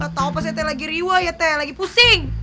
gak tau pas teh lagi riwa ya teh lagi pusing